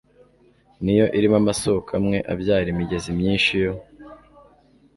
Ni yo irimo amasoko amwe abyara imigezi myinshi yo